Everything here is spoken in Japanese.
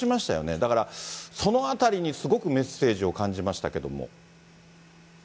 だから、そのあたりにすごくメッセージを感じましたけれども。